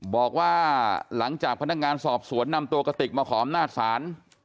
บอกว่าหลังจากพนักงานสอบสวนนำกะติกมาขอมหน้าสาร